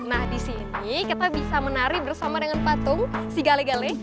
nah di sini kita bisa menari bersama dengan patung si gale gale